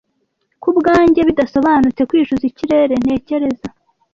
kubwanjye bidasobanutse kwicuza ikirere ntekereza